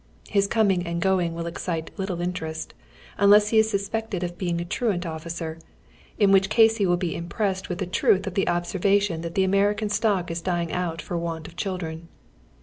His coming and going will excite little interest, unless he is suspected of being a trnant otfieer, in which case he will be impressed with the tnitli of t!ie observation tliat the American stock is dying out for want of children.